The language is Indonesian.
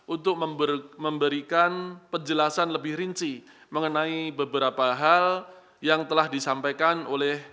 untuk memberikan penjelasan lebih rinci mengenai beberapa hal yang telah disampaikan oleh